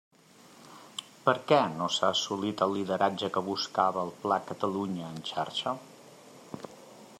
Per què no s'ha assolit el lideratge que buscava el Pla Catalunya en Xarxa?